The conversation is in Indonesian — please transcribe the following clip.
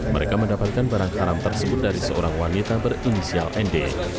mereka mendapatkan barang haram tersebut dari seorang wanita berinisial nd